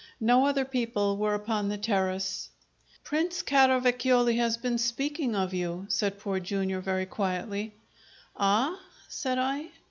No other people were upon the terrace. "Prince Caravacioli has been speaking of you," said Poor Jr., very quietly. "Ah?" said I.